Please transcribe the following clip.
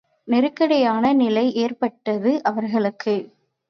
நெருக்கடியான நிலை ஏற்பட்டது அவர்களுக்கு.